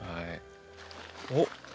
おっ！